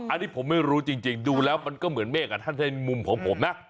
อันนี้ผมไม่รู้จริงดูแล้วมันก็เหมือนเมฆท่านในมุมของผมนะ